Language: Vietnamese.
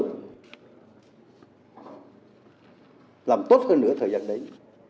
chúng ta sẽ làm tốt hơn nửa thời gian đấy